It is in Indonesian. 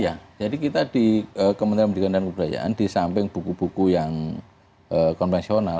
ya jadi kita di kementerian pendidikan dan kebudayaan di samping buku buku yang konvensional